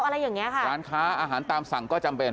อะไรอย่างเงี้ค่ะร้านค้าอาหารตามสั่งก็จำเป็น